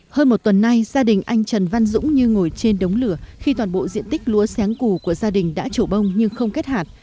hơn một tuần nay gia đình anh trần văn dũng như ngồi trên đống lửa khi toàn bộ diện tích lúa sáng củ của gia đình đã trổ bông nhưng không kết hạt